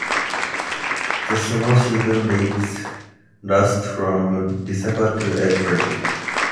The snow season lasts from December to April.